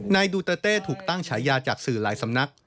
ดูเตอร์เต้ถูกตั้งฉายาจากสื่อหลายสำนัก